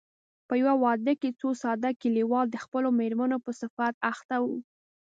په يوه واده کې څو ساده کليوال د خپلو مېرمنو په صفت اخته وو.